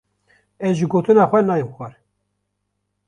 Ez ji gotina xwe nayêm xwar.